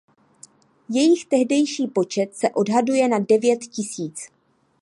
Jejich tehdejší počet se odhaduje na devět tisíc.